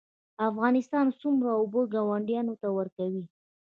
افغانستان څومره اوبه ګاونډیانو ته ورکوي؟